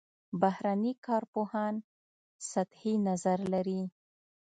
بهرني کارپوهان سطحي نظر لري.